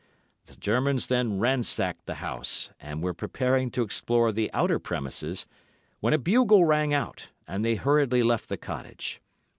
The Germans then ransacked the house, and were preparing to explore the outer premises, when a bugle rang out, and they hurriedly left the cottage.